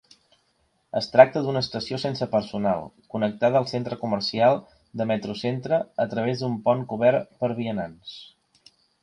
Es tracta d'una estació sense personal, connectada al centre comercial de MetroCentre a través d'un pont cobert per a vianants.